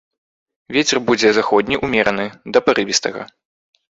Вецер будзе заходні ўмераны да парывістага.